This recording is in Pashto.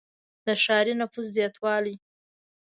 • د ښاري نفوس زیاتوالی.